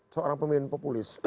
seorang pemimpin populis